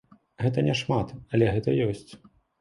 Гэта няшмат, але гэта ёсць.